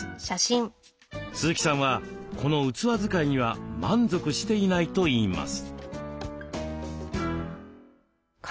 鈴木さんはこの器使いには満足していないといいます。